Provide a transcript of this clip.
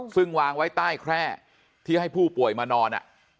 ซึ่งวางไว้ใต้แคร่ที่ให้ผู้ป่วยมานอน